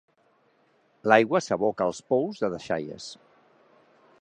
L'aigua s'aboca als pous de deixalles.